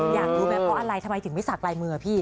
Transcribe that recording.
อยากดูแบบว่าอะไรทำไมถึงไม่สักลายมืออ่ะพี่